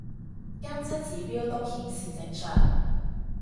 監測指標都顯示正常